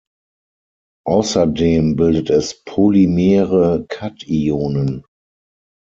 Außerdem bildet es polymere Kationen.